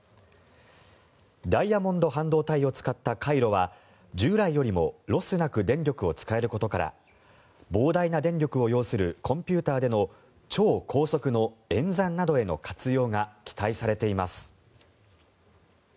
ダイヤモンド半導体を使った回路は従来よりもロスなく電力を使えることから膨大な電力を要するコンピューターでの超高速の演算などへの活用が期待されています。